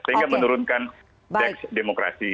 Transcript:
sehingga menurunkan demokrasi